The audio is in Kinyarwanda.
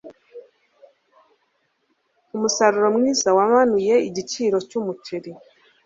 Umusaruro mwiza wamanuye igiciro cyumuceri